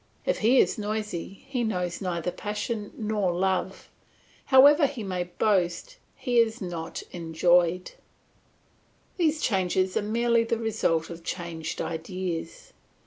If he is noisy he knows neither passion nor love; however he may boast, he has not enjoyed. These changes are merely the result of changed ideas.